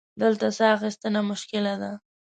دلته سا اخیستنه مشکله ده.